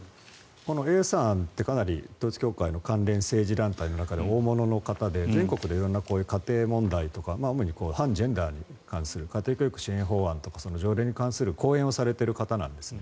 このＡさんってかなり統一教会の関連政治団体の中で大物の方で全国でこういう家庭問題とか反ジェンダーに関する家庭教育支援法案とかその条例に関する講演をされている方なんです。